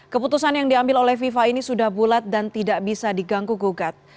keputusan yang diambil oleh fifa ini sudah bulat dan tidak bisa diganggu gugat